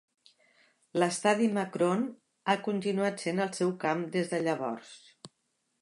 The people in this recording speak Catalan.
L'estadi Macron ha continuat sent el seu camp des de llavors.